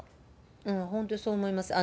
本当にそう思います。